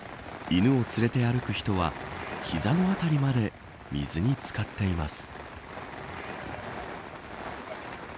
犬を連れて歩く人は膝のあたりまで水に漬かっています。